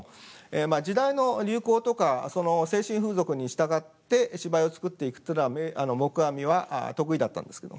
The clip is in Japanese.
まあ時代の流行とかその精神風俗に従って芝居を作っていくっていうのは黙阿弥は得意だったんですけど。